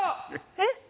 えっ？